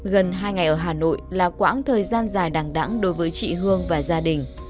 gần hai ngày ở hà nội là quãng thời gian dài đàng đẳng đối với chị hương và gia đình